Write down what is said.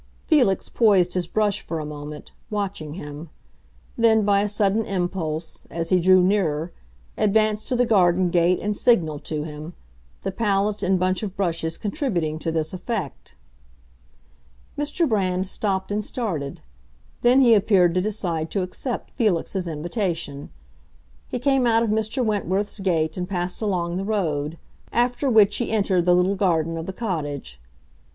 Felix poised his brush for a moment, watching him; then, by a sudden impulse, as he drew nearer, advanced to the garden gate and signaled to him—the palette and bunch of brushes contributing to this effect. Mr. Brand stopped and started; then he appeared to decide to accept Felix's invitation. He came out of Mr. Wentworth's gate and passed along the road; after which he entered the little garden of the cottage.